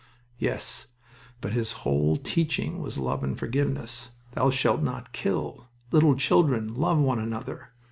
"Yes, but His whole teaching was love and forgiveness. 'Thou shalt not kill.' 'Little children, love one another!'